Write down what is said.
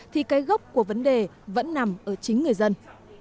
thì cái gốc của vấn đề vẫn nằm ở chính người dân